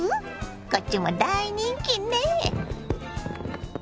こっちも大人気ね。